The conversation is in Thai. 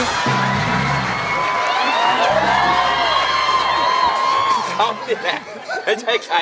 เขาเนี่ยไม่ใช่ใคร